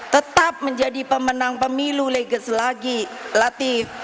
tetap menjadi pemenang pemilu leges lagi latif